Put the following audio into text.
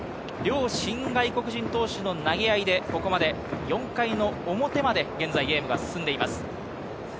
両新外国人投手の投げ合いで、ここまで４回の表まで現在ゲームが進んでいます。